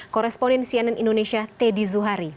koresponen cnn indonesia teddy zuhari